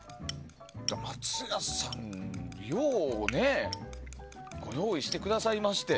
松屋さん、ようね用意してくださいまして。